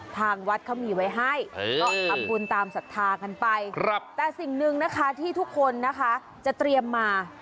ทางวัดเขามีไว้ให้ก็ทำบุญตามศรัทธากันไปแต่สิ่งหนึ่งนะคะที่ทุกคนนะคะจะเตรียมมา